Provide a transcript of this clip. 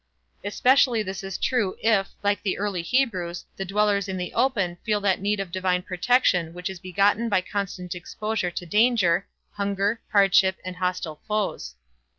Especially is this true if, like the early Hebrews, the dwellers in the open feel that need of divine protection which is begotten by constant exposure to danger, hunger, hardship and hostile foes.